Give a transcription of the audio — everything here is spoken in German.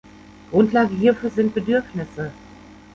Grundlage hierfür sind Bedürfnisse.